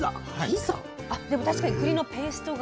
あっでも確かにくりのペーストが。